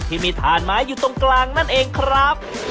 ที่มีฐานไม้อยู่ตรงกลางนั่นเองครับ